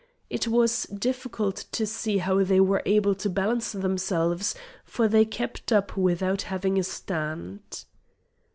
It was difficult to see how they were able to balance themselves, for they kept up without having a stand.